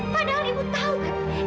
padahal ibu tahu kan